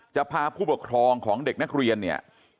จะพาผู้ปกครองของเด็กนักเรียนเนี่ย